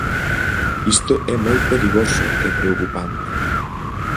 Isto é moi perigoso e preocupante.